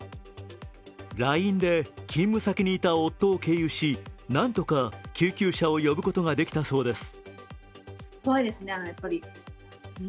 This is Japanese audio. ＬＩＮＥで勤務先にいた夫を経由しなんとか救急車を呼ぶことができたそうです。